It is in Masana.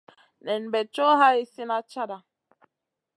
Nen bè co hai slina cata.